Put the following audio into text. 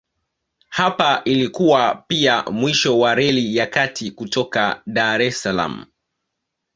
Hapa ilikuwa pia mwisho wa Reli ya Kati kutoka Dar es Salaam.